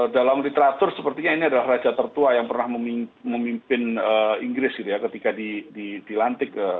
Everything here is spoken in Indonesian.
dalam literatur sepertinya ini adalah raja tertua yang pernah memimpin inggris gitu ya ketika di di di lantik